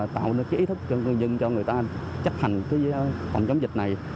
tạo nên cái ý thức cho cư dân cho người ta chấp hành cái phòng chống dịch này